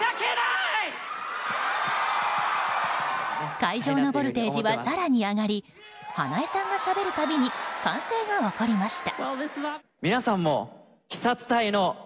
会場のボルテージは更に上がり花江さんがしゃべるたびに歓声が起こりました。